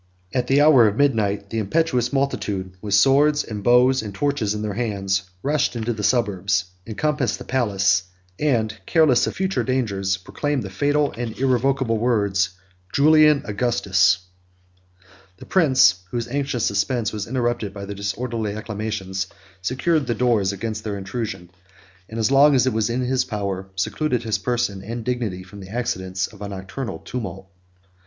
At the hour of midnight, the impetuous multitude, with swords, and bows, and torches in their hands, rushed into the suburbs; encompassed the palace; 7 and, careless of future dangers, pronounced the fatal and irrevocable words, Julian Augustus! The prince, whose anxious suspense was interrupted by their disorderly acclamations, secured the doors against their intrusion; and as long as it was in his power, secluded his person and dignity from the accidents of a nocturnal tumult.